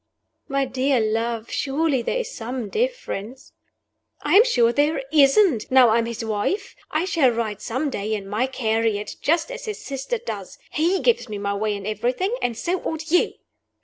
"My dear love, surely there is some difference " "I'm sure there isn't, now I am his wife. I shall ride some day in my carriage, just as his sister does. He gives me my way in everything; and so ought you."